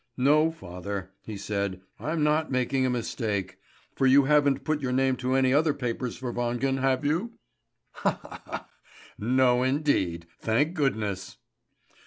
"No, father," he said, "I'm not making a mistake; for you haven't put your name to any other papers for Wangen, have you?" "Ha! ha! ha! No indeed, thank goodness!"